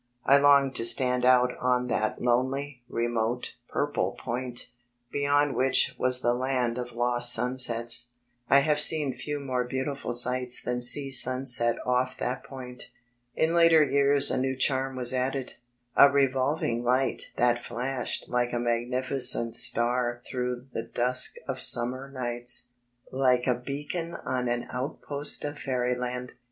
I longed to stand out on that lonely, remote, purple point, beyond which was the land of lost sunsets. I have seen few more beautiful sights than sea sunset off that point. In later years a new charm was added, a revolv ing light that flashed like a magnificent star through the dusk of summer nights, like a beacon on an outpost of fairyland.